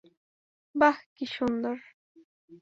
বাহ, কি সুন্দর।